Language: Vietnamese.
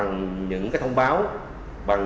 đièm tánh các kỹ sư kinh nghiệpexciteria